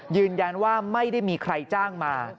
ยืนยันว่าไม่ได้มีใครจ้างมา